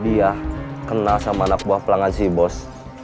dia kenal sama anak buah pelanggan si bos